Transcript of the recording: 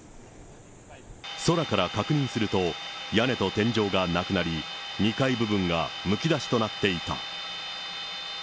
空から確認すると、屋根と天井がなくなり、２階部分がむき出しとなっていた。